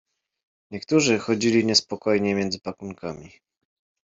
Niektórzy chodzili niespokojnie między pakunkami.